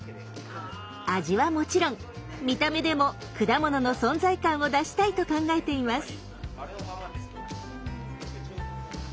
味はもちろん見た目でも果物の存在感を出したいと考えています。